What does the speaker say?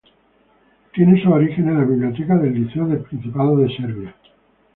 Tiene sus orígenes en la biblioteca del "Liceo del Principado de Serbia".